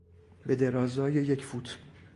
به درازای یک فوت